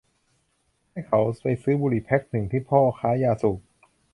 เขาไปซื้อบุหรี่แพ็คนึงที่พ่อค้ายาสูบ